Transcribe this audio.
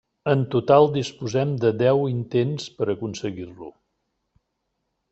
En total disposem de deu intents per aconseguir-lo.